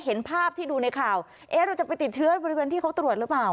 เห็นภาพที่ดูในข่าวเอ๊ะเราจะไปติดเชื้อบริเวณที่เขาตรวจหรือเปล่า